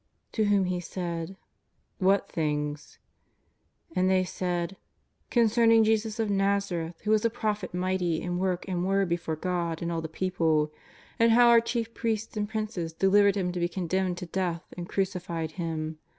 '' To whom He said :" What things ?" And they said :^* Concerning Jesus of Nazareth, who was a Prophet mighty in work and word before God and all the people; and how our chief priests and princes delivered Him to be condemned to death and crucified Him.